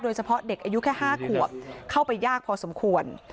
เฉพาะเด็กอายุแค่๕ขวบเข้าไปยากพอสมควร